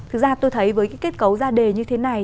thực ra tôi thấy với kết cấu ra đề như thế này